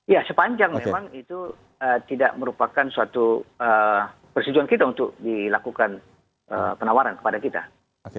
ya sepanjang memang itu tidak merupakan suatu persetujuan kita untuk dilakukan penawaran kepada kita